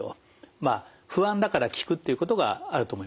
まあ不安だから聞くということがあると思います。